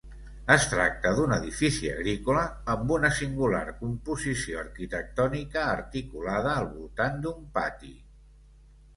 Es tracta d'un edifici agrícola amb una singular composició arquitectònica articulada al voltant d'un pati.